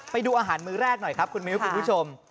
ไปดูอาหารมือแรกหน่อยครับคุณมิ้วคุณผู้ชม